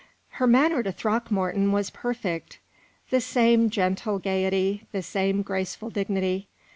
Her manner to Throckmorton was perfect; the same gentle gayety, the same graceful dignity.